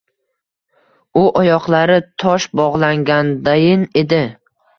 U oyoqlari tosh bog‘lagandayin edi.